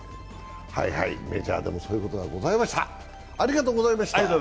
メジャーでもそういうことがございました。